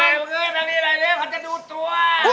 อะไรเพื่อนพี่ร้านดีแหละเลยผ่านไปดูตัว